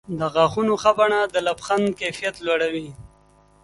د غاښونو ښه بڼه د لبخند کیفیت لوړوي.